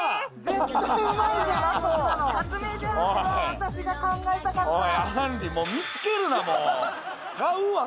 私が考えたかった。